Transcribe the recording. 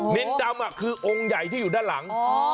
นินดำคือองค์ใหญ่ที่อยู่ด้านหลัง